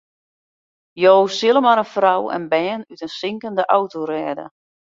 Jo sille mar in frou en bern út in sinkende auto rêde.